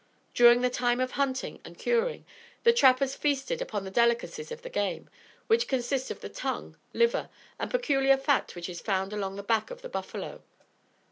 During the time of hunting and curing, the trappers feasted upon the delicacies of the game, which consist of the tongue, liver and peculiar fat which is found along the back of the buffalo.